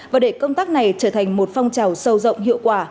và để công tác này trở thành một phong trào sâu rộng hiệu quả